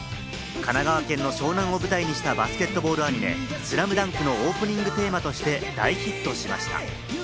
神奈川県の湘南を舞台にしたバスケットボールアニメ『ＳＬＡＭＤＵＮＫ』のオープニングテーマとして大ヒットしました。